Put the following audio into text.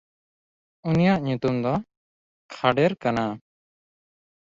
ᱩᱱᱤᱭᱟᱜ ᱧᱩᱛᱩᱢ ᱫᱚ ᱠᱷᱟᱰᱮᱨ ᱠᱟᱱᱟ᱾